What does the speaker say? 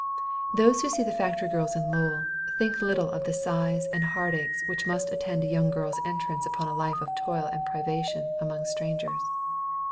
Those who see the factory girls in Lowell, little think of the sighs and heart aches which must attend a young girl's entrance upon a life of toil and privation, among strangers.